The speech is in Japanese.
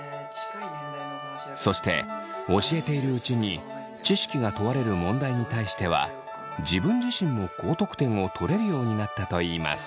そして教えているうちに知識が問われる問題に対しては自分自身も高得点を取れるようになったといいます。